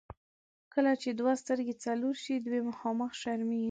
کله چې دوه سترګې څلور شي، دوې خامخا شرمېږي.